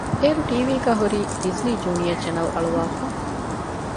އޭރު ޓީވީގައި ހުރީ ޑިޒްނީ ޖޫނިއަރ ޗެނެލް އަޅުވައިފަ